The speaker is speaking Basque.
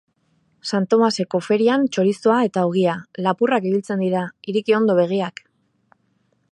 Santomaseko ferian txorizoa eta ogia; lapurrak ibiltzen dira, iriki ondo begiak.